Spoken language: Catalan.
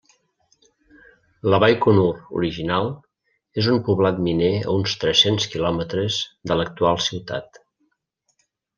La Baikonur original és un poblat miner a uns tres-cents quilòmetres de l'actual ciutat.